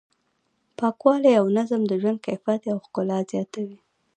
پاکوالی او نظم د ژوند کیفیت او ښکلا زیاتوي.